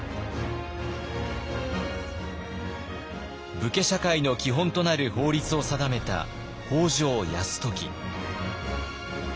武家社会の基本となる法律を定めた北条泰時。